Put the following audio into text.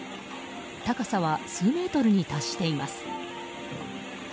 高さは数メートルに達しています。